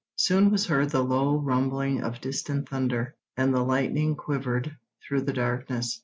Soon was heard the low rumbling of distant thunder, and the lightning quivered through the darkness.